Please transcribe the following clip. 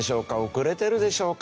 遅れてるでしょうか？